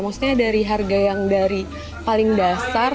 maksudnya dari harga yang dari paling dasar